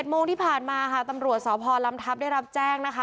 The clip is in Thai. โมงที่ผ่านมาค่ะตำรวจสพลำทัพได้รับแจ้งนะคะ